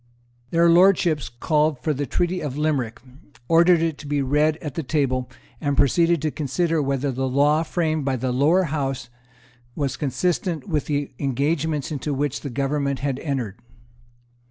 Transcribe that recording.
Their Lordships called for the Treaty of Limerick, ordered it to be read at the table, and proceeded to consider whether the law framed by the Lower House was consistent with the engagements into which the government had entered.